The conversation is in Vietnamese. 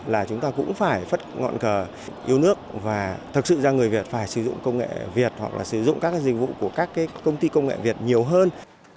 là chúng ta cũng phải phất ngọn cờ yêu nước và thực sự ra người việt phải sử dụng công nghệ việt hoặc là sử dụng các dịch vụ của các công ty công nghệ việt nhiều hơn